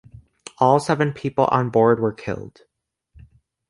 All seven people on board were killed.